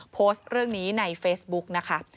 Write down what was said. โพสต์เรื่องนี้ในเฟซบุ๊กนะคะ